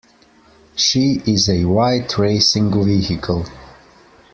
She is a white racing vehicle.